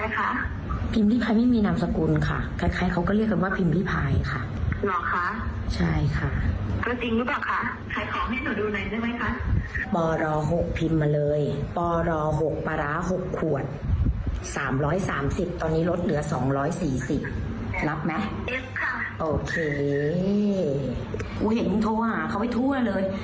กูเห็นมันโทรหาพี่เขาไปทั่วนะเลย